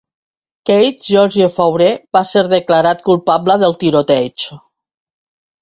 Keith George Faure va ser declarat culpable del tiroteig.